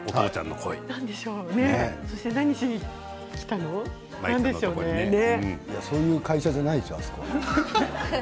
何で来たのそういう会社じゃないでしょ、あそこは。